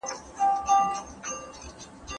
نوم خولې ته راځــــــــي